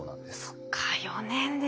そっか４年ですか。